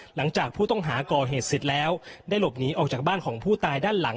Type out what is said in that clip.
หลังจากผู้ต้องหาก่อเหตุเสร็จแล้วได้หลบหนีออกจากบ้านของผู้ตายด้านหลัง